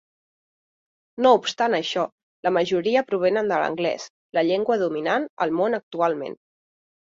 No obstant això, la majoria provenen de l'anglès, la llengua dominant al món actualment.